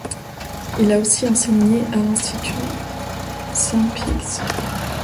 Il a aussi enseigné à l'Institut Saint-Pie-X.